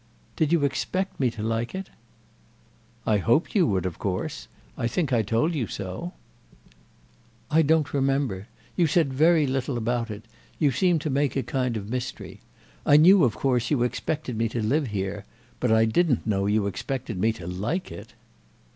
"Did you expect me to like it?" "I hoped you would, of course. I think I told you so." "I don't remember. You said very little about it; you seemed to make a kind of mystery. I knew of course you expected me to live here, but I didn't know you expected me to like it."